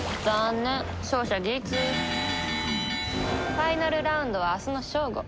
ファイナルラウンドは明日の正午。